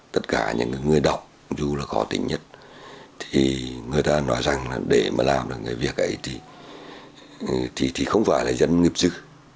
tất cả những người đọc dù là khó tính nhất thì người ta nói rằng là để mà làm được cái việc ấy thì không phải là dân nghiệp dư